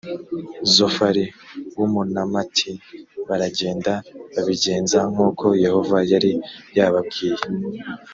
zofari w’umunamati baragenda babigenza nk ‘uko yehova yari yababwiye